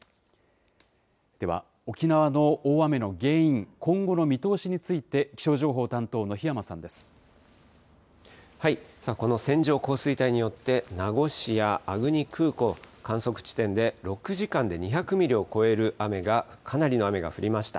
では沖縄の大雨の原因、今後の見通しについて、さあ、この線状降水帯によって、名護市や粟国空港、観測地点で６時間で２００ミリを超える雨が、かなりの雨が降りました。